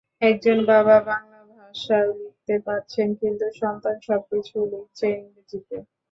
একজন বাবা বাংলা ভাষায় লিখতে পারছেন কিন্তু সন্তান সবকিছু লিখছে ইংরেজিতে।